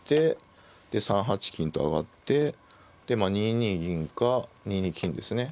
で３八金と上がってでまあ２二銀か２二金ですね。